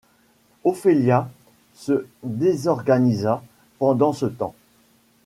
Ophelia se désorganisa pendant ce temps.